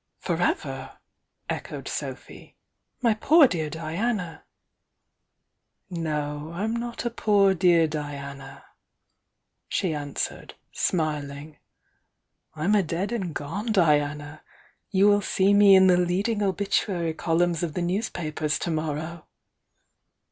"For ever!" echoed Sophy. "My poor dear Diana " "No, I'm not a poor dear Diana," she answered, smiling,— "I'm a dead and gone Diana! You will see me m the leading obituary columns of the news papers to morrow!"